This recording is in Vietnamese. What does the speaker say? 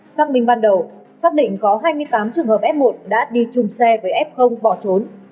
xác minh ban đầu xác định có hai mươi tám trường hợp f một đã đi chùm xe với f bỏ trốn